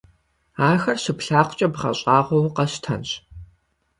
Ахэр щыплъагъукӀэ бгъэщӀагъуэу укъэщтэнщ!